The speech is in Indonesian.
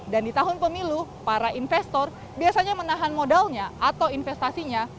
dan di tahun pemilu para investor biasanya menahan modalnya atau investasinya